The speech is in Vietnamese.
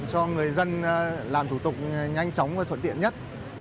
cho người dân làm thủ tục nhanh chóng và thuận tiện nhất